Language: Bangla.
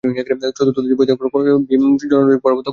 চতুর্দশ দিবস ক্রমাগত দ্বন্দ্বযুদ্ধের পর ভীম জরাসন্ধকে পরাভূত করিলেন।